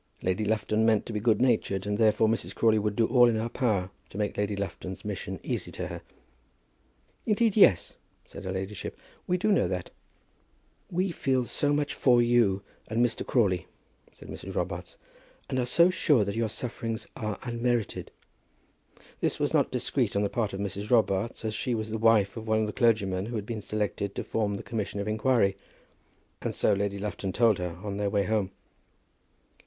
Lady Lufton meant to be good natured, and therefore Mrs. Crawley would do all in her power to make Lady Lufton's mission easy to her. "Indeed yes," said her ladyship; "we do know that." "We feel so much for you and Mr. Crawley," said Mrs. Robarts; "and are so sure that your sufferings are unmerited." This was not discreet on the part of Mrs. Robarts, as she was the wife of one of the clergymen who had been selected to form the commission of inquiry; and so Lady Lufton told her on their way home.